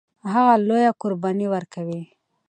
هغه لویه قرباني ورکوي.